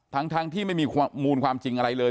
ทั้งที่ไม่มีมูลความจริงอะไรเลย